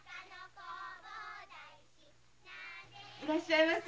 いらっしゃいませ。